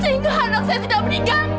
sehingga anak saya tidak meninggal